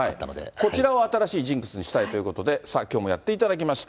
こちらを新しいジンクスにしたいということで、きょうもやっていただきました。